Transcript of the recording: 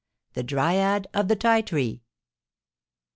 THE DRYAD OF THE TI TREE.